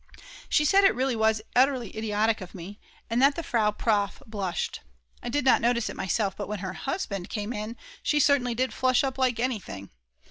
She said it really was utterly idiotic of me, and that the Frau Prof. blushed. I did not notice it myself, but when her husband came in, she certainly did flush up like anything.